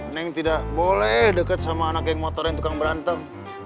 neng tidak boleh dekat sama anak geng motor yang tukang berantem